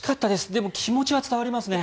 でも、気持ちは伝わりますね。